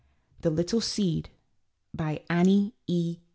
THE LITTLE SEED. BY ANNIE E.